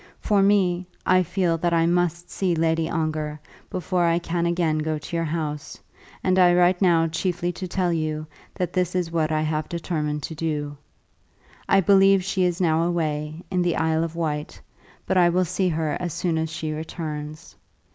For me, I feel that I must see Lady Ongar before I can again go to your house, and I write now chiefly to tell you that this is what I have determined to do. I believe she is now away, in the Isle of Wight, but I will see her as soon as she returns.